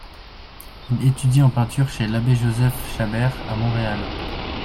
Il étudie en peinture chez l'abbé Joseph Chabert, à Montréal.